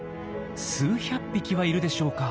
数百匹はいるでしょうか。